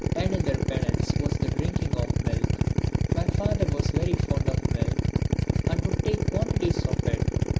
Another penance was the drinking of milk. My father was very fond of milk and could take quantities of it.